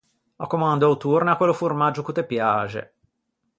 Ò commandou torna quello formaggio ch’o te piaxe.